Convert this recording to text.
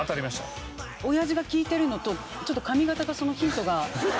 おやじが聴いてるのとちょっと髪形がそのヒントが。